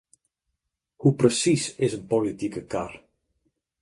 Hoe presys is in politike kar.